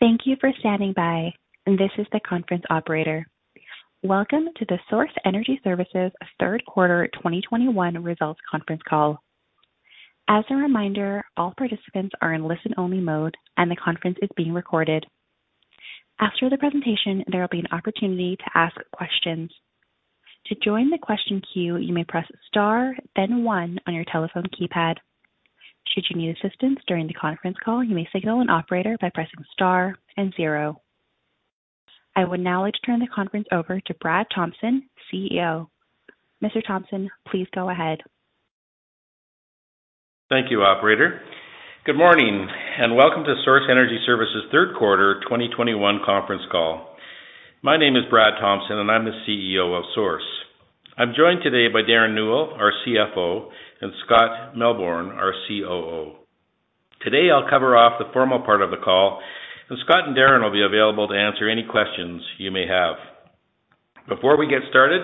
Thank you for standing by. This is the conference operator. Welcome to the Source Energy Services third quarter 2021 results conference call. As a reminder, all participants are in listen-only mode, and the conference is being recorded. After the presentation, there will be an opportunity to ask questions. To join the question queue, you may press star then one on your telephone keypad. Should you need assistance during the conference call, you may signal an operator by pressing star and zero. I would now like to turn the conference over to Brad Thomson, CEO. Mr. Thomson, please go ahead. Thank you, operator. Good morning, and welcome to Source Energy Services third quarter 2021 conference call. My name is Brad Thomson, and I'm the CEO of Source. I'm joined today by Derren Newell, our CFO, and Scott Melbourn, our COO. Today, I'll cover off the formal part of the call, and Scott and Derren will be available to answer any questions you may have. Before we get started,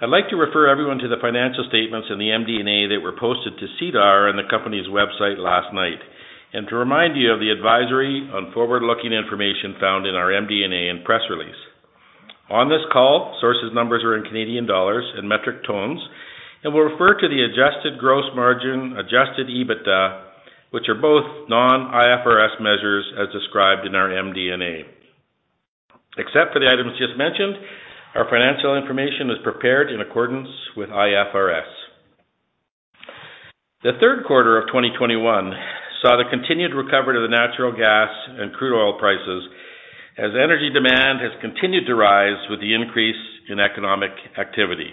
I'd like to refer everyone to the financial statements in the MD&A that were posted to SEDAR on the company's website last night and to remind you of the advisory on forward-looking information found in our MD&A and press release. On this call, Source's numbers are in Canadian dollars and metric tonnes and will refer to the adjusted gross margin, adjusted EBITDA, which are both non-IFRS measures as described in our MD&A. Except for the items just mentioned, our financial information is prepared in accordance with IFRS. The third quarter of 2021 saw the continued recovery to the natural gas and crude oil prices as energy demand has continued to rise with the increase in economic activity.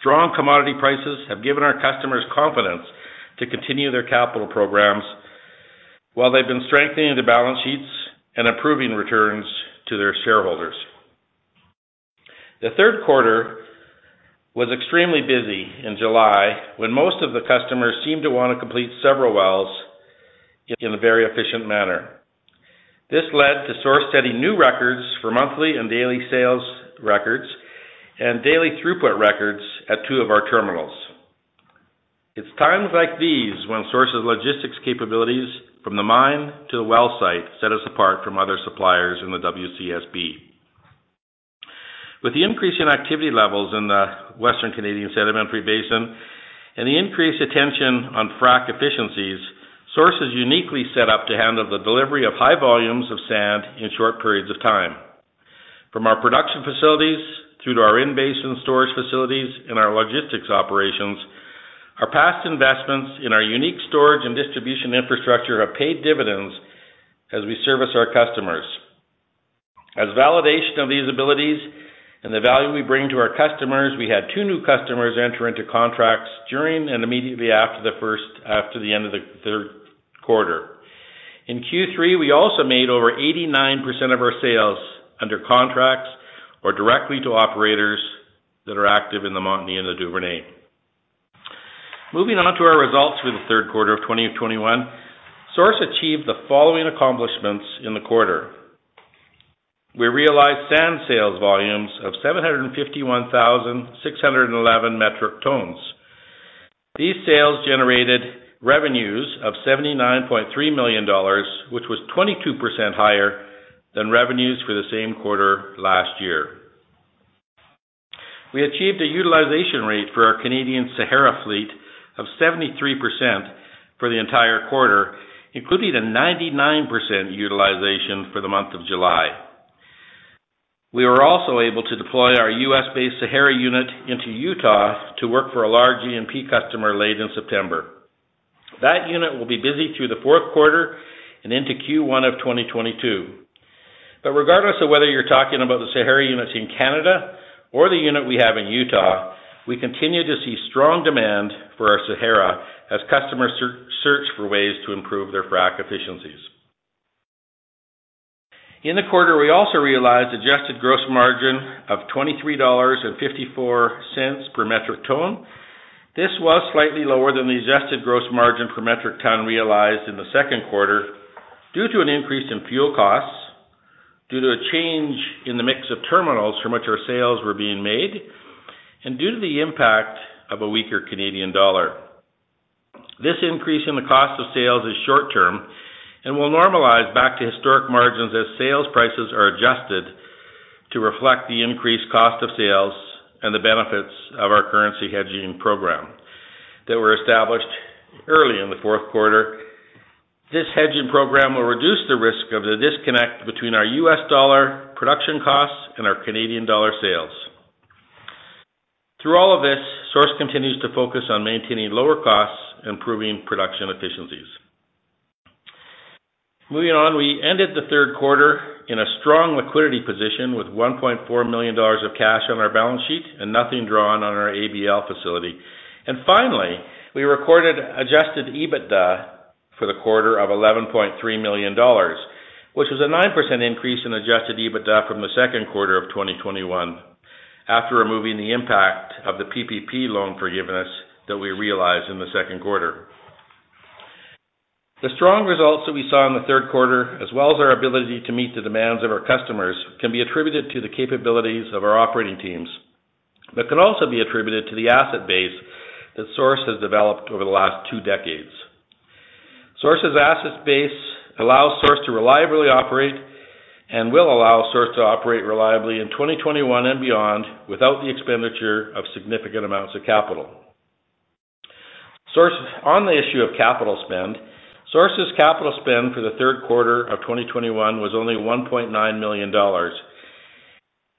Strong commodity prices have given our customers confidence to continue their capital programs while they've been strengthening the balance sheets and improving returns to their shareholders. The third quarter was extremely busy in July when most of the customers seemed to wanna complete several wells in a very efficient manner. This led to Source setting new records for monthly and daily sales records and daily throughput records at two of our terminals. It's times like these when Source's logistics capabilities from the mine to the well site set us apart from other suppliers in the WCSB. With the increase in activity levels in the Western Canadian Sedimentary Basin and the increased attention on frac efficiencies, Source is uniquely set up to handle the delivery of high volumes of sand in short periods of time. From our production facilities through to our in-basin storage facilities and our logistics operations, our past investments in our unique storage and distribution infrastructure have paid dividends as we service our customers. As validation of these abilities and the value we bring to our customers, we had two new customers enter into contracts during and immediately after the end of the third quarter. In Q3, we also made over 89% of our sales under contracts or directly to operators that are active in the Montney and the Duvernay. Moving on to our results for the third quarter of 2021, Source achieved the following accomplishments in the quarter. We realized sand sales volumes of 751,611 metric tonnes. These sales generated revenues of 79.3 million dollars, which was 22% higher than revenues for the same quarter last year. We achieved a utilization rate for our Canadian Sahara fleet of 73% for the entire quarter, including a 99% utilization for the month of July. We were also able to deploy our U.S.-based Sahara unit into Utah to work for a large E&P customer late in September. That unit will be busy through the fourth quarter and into Q1 of 2022. Regardless of whether you're talking about the Sahara units in Canada or the unit we have in Utah, we continue to see strong demand for our Sahara as customers search for ways to improve their frac efficiencies. In the quarter, we also realized adjusted gross margin of 23.54 dollars per metric ton. This was slightly lower than the adjusted gross margin per metric ton realized in the second quarter due to an increase in fuel costs, due to a change in the mix of terminals from which our sales were being made, and due to the impact of a weaker Canadian dollar. This increase in the cost of sales is short-term and will normalize back to historic margins as sales prices are adjusted to reflect the increased cost of sales and the benefits of our currency hedging program that were established early in the fourth quarter. This hedging program will reduce the risk of the disconnect between our US dollar production costs and our Canadian dollar sales. Through all of this, Source continues to focus on maintaining lower costs, improving production efficiencies. Moving on, we ended the third quarter in a strong liquidity position with 1.4 million dollars of cash on our balance sheet and nothing drawn on our ABL facility. Finally, we recorded adjusted EBITDA for the quarter of 11.3 million dollars, which was a 9% increase in adjusted EBITDA from the second quarter of 2021 after removing the impact of the PPP loan forgiveness that we realized in the second quarter. The strong results that we saw in the third quarter as well as our ability to meet the demands of our customers can be attributed to the capabilities of our operating teams, can also be attributed to the asset base that Source has developed over the last two decades. Source's asset base allows Source to reliably operate and will allow Source to operate reliably in 2021 and beyond without the expenditure of significant amounts of capital. Source. On the issue of capital spend, Source's capital spend for the third quarter of 2021 was only 1.9 million dollars.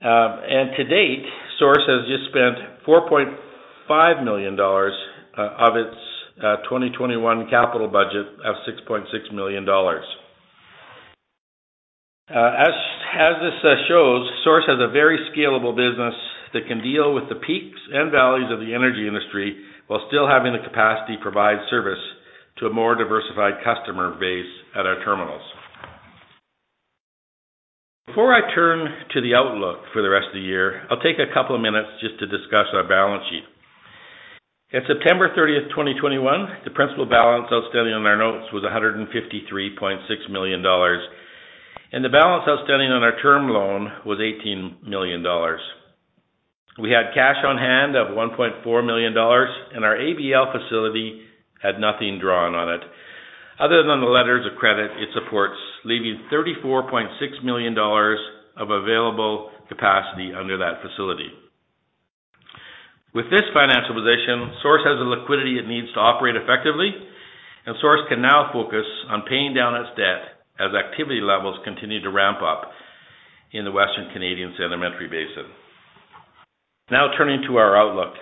To date, Source has just spent 4.5 million dollars of its 2021 capital budget of 6.6 million dollars. As this shows, Source has a very scalable business that can deal with the peaks and valleys of the energy industry while still having the capacity to provide service to a more diversified customer base at our terminals. Before I turn to the outlook for the rest of the year, I'll take a couple of minutes just to discuss our balance sheet. At September 30th, 2021, the principal balance outstanding on our notes was 153.6 million dollars, and the balance outstanding on our term loan was 18 million dollars. We had cash on hand of 1.4 million dollars, and our ABL facility had nothing drawn on it, other than the letters of credit it supports, leaving 34.6 million dollars of available capacity under that facility. With this financial position, Source has the liquidity it needs to operate effectively, and Source can now focus on paying down its debt as activity levels continue to ramp up in the Western Canadian Sedimentary Basin. Now turning to our outlook.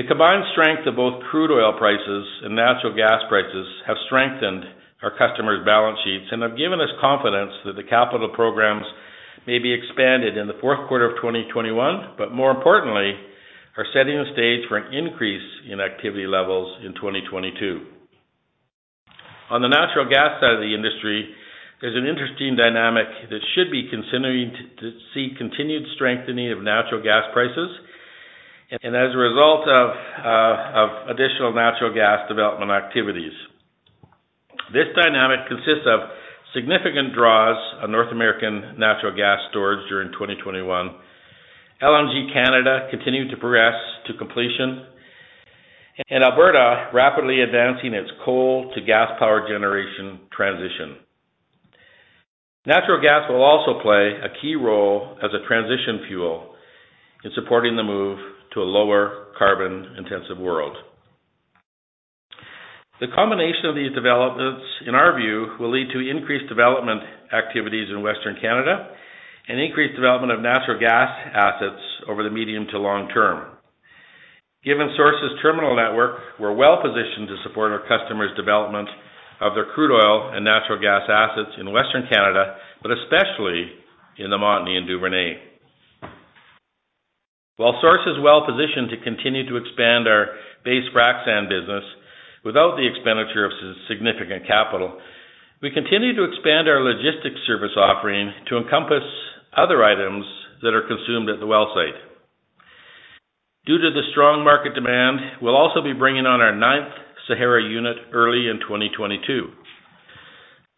The combined strength of both crude oil prices and natural gas prices have strengthened our customers' balance sheets and have given us confidence that the capital programs may be expanded in the fourth quarter of 2021, but more importantly, are setting the stage for an increase in activity levels in 2022. On the natural gas side of the industry, there's an interesting dynamic that should be continuing to see continued strengthening of natural gas prices and as a result of additional natural gas development activities. This dynamic consists of significant draws on North American natural gas storage during 2021, LNG Canada continued to progress to completion, and Alberta rapidly advancing its coal to gas power generation transition. Natural gas will also play a key role as a transition fuel in supporting the move to a lower carbon intensive world. The combination of these developments, in our view, will lead to increased development activities in Western Canada and increased development of natural gas assets over the medium to long term. Given Source's terminal network, we're well-positioned to support our customers' development of their crude oil and natural gas assets in Western Canada, but especially in the Montney and Duvernay. While Source is well positioned to continue to expand our base frac sand business without the expenditure of significant capital, we continue to expand our logistics service offering to encompass other items that are consumed at the well site. Due to the strong market demand, we'll also be bringing on our ninth Sahara unit early in 2022.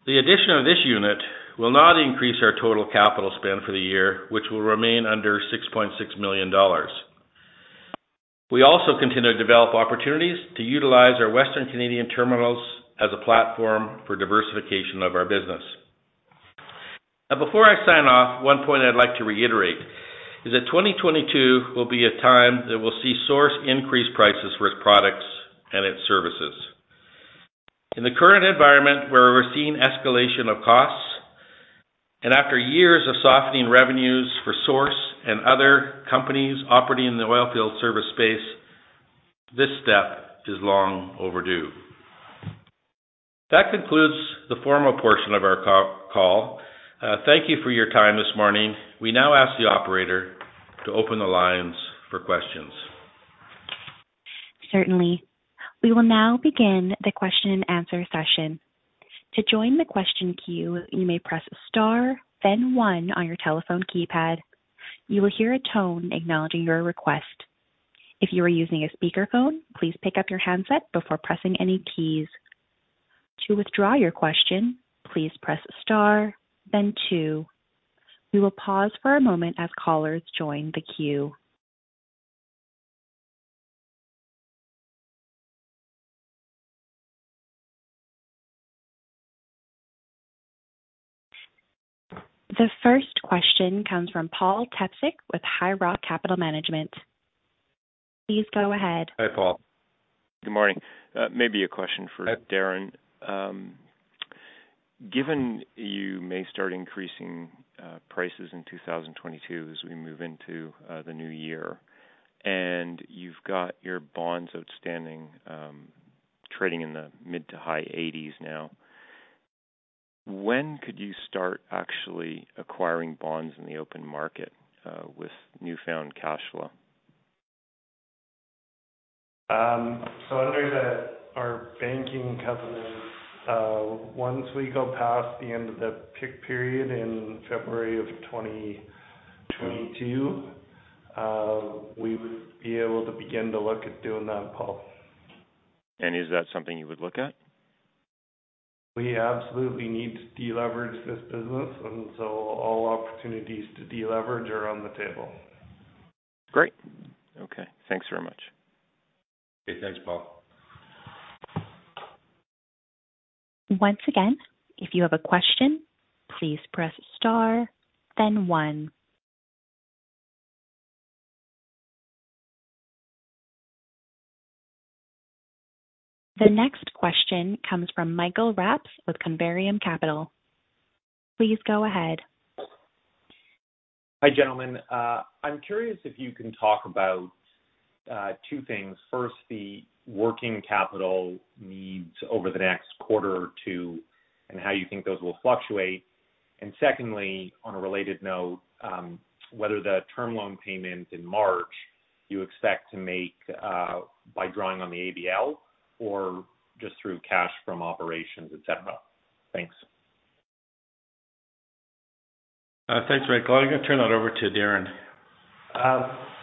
The addition of this unit will not increase our total capital spend for the year, which will remain under 6.6 million dollars. We also continue to develop opportunities to utilize our Western Canadian terminals as a platform for diversification of our business. Now, before I sign off, one point I'd like to reiterate is that 2022 will be a time that we'll see Source increase prices for its products and its services. In the current environment where we're seeing escalation of costs and after years of softening revenues for Source and other companies operating in the oilfield service space, this step is long overdue. That concludes the formal portion of our call. Thank you for your time this morning. We now ask the operator to open the lines for questions. Certainly. We will now begin the question and answer session. To join the question queue, you may press star then one on your telephone keypad. You will hear a tone acknowledging your request. If you are using a speakerphone, please pick up your handset before pressing any keys. To withdraw your question, please press star then two. We will pause for a moment as callers join the queue. The first question comes from Paul Tepsich with High Rock Capital Management. Please go ahead. Hi, Paul. Good morning. Maybe a question for Darren. Given you may start increasing prices in 2022 as we move into the new year, and you've got your bonds outstanding trading in the mid- to high 80s now. When could you start actually acquiring bonds in the open market with newfound cash flow? Under our banking covenant, once we go past the end of the peak period in February of 2022, we would be able to begin to look at doing that, Paul. Is that something you would look at? We absolutely need to deleverage this business, and so all opportunities to deleverage are on the table. Great. Okay. Thanks very much. Okay. Thanks, Paul. Once again, if you have a question, please press star then one. The next question comes from Michael Rapps with Converium Capital. Please go ahead. Hi, gentlemen. I'm curious if you can talk about two things. First, the working capital needs over the next quarter or two, and how you think those will fluctuate. Secondly, on a related note, whether the term loan payment in March you expect to make by drawing on the ABL or just through cash from operations, et cetera. Thanks. Thanks, Michael. I'm gonna turn that over to Derren.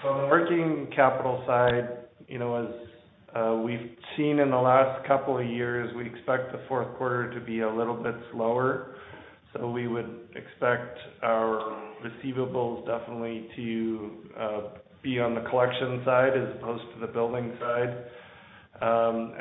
From the working capital side, you know, as we've seen in the last couple of years, we expect the fourth quarter to be a little bit slower. We would expect our receivables definitely to be on the collection side as opposed to the building side.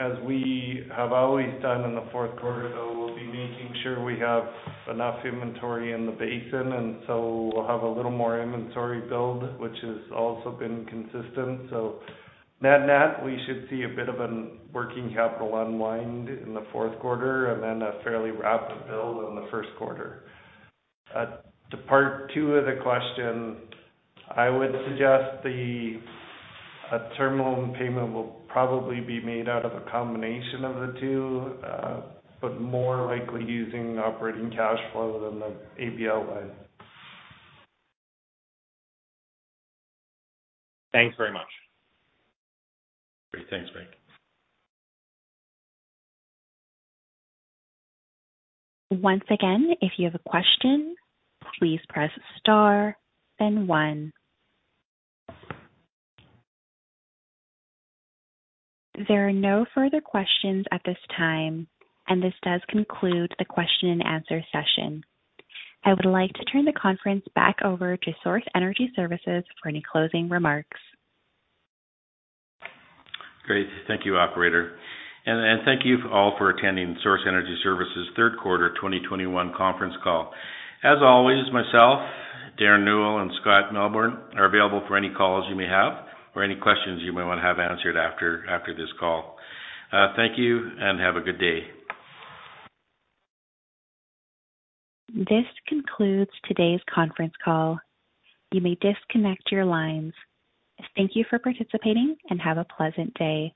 As we have always done in the fourth quarter, though, we'll be making sure we have enough inventory in the basin, and so we'll have a little more inventory build, which has also been consistent. Net-net, we should see a bit of a working capital unwind in the fourth quarter and then a fairly rapid build in the first quarter. To part two of the question, I would suggest that a terminal payment will probably be made out of a combination of the two, but more likely using operating cash flow than the ABL line. Thanks very much. Great. Thanks, Mike. Once again, if you have a question, please press star then one. There are no further questions at this time, and this does conclude the question and answer session. I would like to turn the conference back over to Source Energy Services for any closing remarks. Great. Thank you, operator. Thank you all for attending Source Energy Services third quarter 2021 conference call. As always, myself, Derren Newell, and Scott Melbourn are available for any calls you may have or any questions you may wanna have answered after this call. Thank you and have a good day. This concludes today's conference call. You may disconnect your lines. Thank you for participating and have a pleasant day.